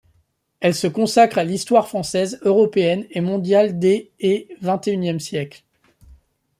Elle se consacre à l'histoire française, européenne et mondiale des et xxi siècle.